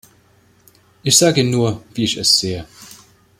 Ich sage nur, wie ich es sehe.